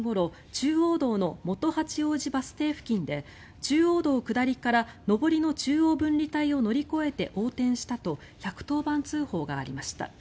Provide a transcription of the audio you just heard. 中央道の元八王子バス停付近で中央道下りから上りの中央分離帯を乗り越えて横転したと１１０番通報がありました。